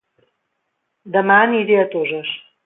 Dema aniré a Toses